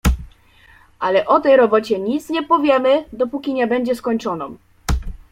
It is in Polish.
"Ale o tej robocie nic nie powiemy, dopóki nie będzie skończoną."